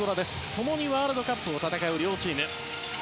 共にワールドカップを戦う両チーム。